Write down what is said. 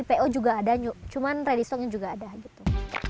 po juga ada cuman ready stocknya juga ada gitu